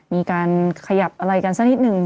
มีการขยับอะไรกันสักนิดนึง